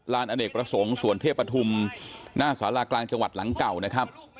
รานอเอนกประสงค์สวรเทพธุมหน้าสารากลางจังหวัดหลังเก่า